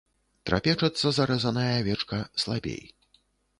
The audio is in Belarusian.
Трапечацца зарэзаная авечка слабей.